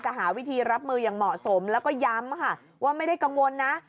หาวิธีรับมืออย่างเหมาะสมแล้วก็ย้ำค่ะว่าไม่ได้กังวลนะ